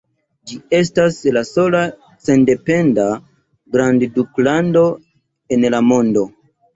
Ĝi estas la sola sendependa grandduklando en la mondo.